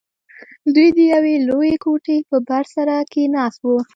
دوى د يوې لويې کوټې په بر سر کښې ناست وو.